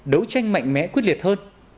đấu tranh mạnh mẽ quyết liệt hơn